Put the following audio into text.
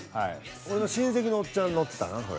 俺の親戚のおっちゃん乗ってたなそれ。